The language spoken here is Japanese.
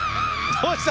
どうした？